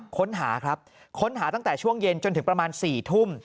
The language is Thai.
ค้นหาครับค้นหาตั้งแต่ช่วงเย็นจนถึงประมาณ๔ทุ่ม